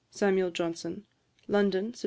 SAM. JOHNSON. London, Sept.